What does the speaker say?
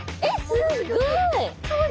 すごい。